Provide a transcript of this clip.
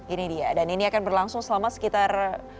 ini dia dan ini akan berlangsung selama sekitar